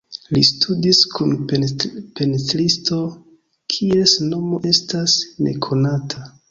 Li studis kun pentristo kies nomo estas nekonata.